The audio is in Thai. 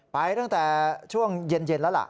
ไปตั้งแต่ช่วงเย็นแล้วล่ะ